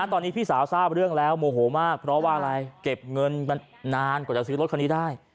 ตอนนี้พี่สาวทราบเรื่องแล้วโมโหมากเพราะว่าอะไรเก็บเงินกันนานกว่าจะซื้อรถคันนี้ได้